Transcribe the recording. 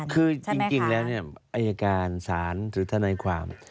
คือจริงแล้วอายการศาลหรือทนายความ